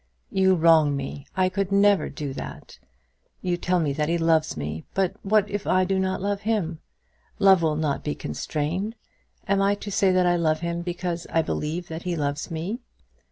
"You wrong me. I could never do like that. You tell me that he loves me; but what if I do not love him? Love will not be constrained. Am I to say that I love him because I believe that he loves me?"